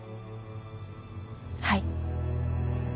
はい。